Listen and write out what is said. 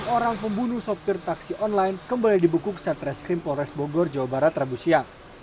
enam orang pembunuh sopir taksi online kembali dibukuk satres krim polres bogor jawa barat rabu siang